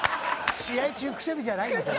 試合中くしゃみじゃないんですよ。